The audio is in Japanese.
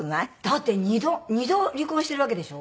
だって２度２度離婚してるわけでしょ？